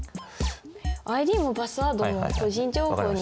ＩＤもパスワードも個人情報に。